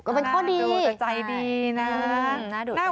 ก็เป็นข้อดีใช่หน้าดูแต่ใจดีนะหน้าดูใจดี